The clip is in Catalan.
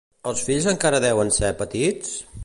Els fills encara deuen ser petits?